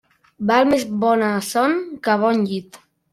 Val més bona son que bon llit.